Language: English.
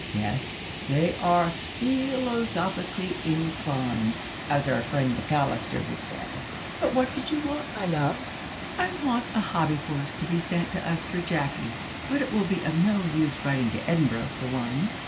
"Yes, they are `feelosophically' inclined, as our friend McAllister would say. But what did you want, my love?" "I want a hobby horse to be sent to us for Jacky; but it will be of no use writing to Edinburgh for one.